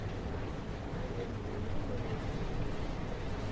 І венгры, і румыны ў тым ліку.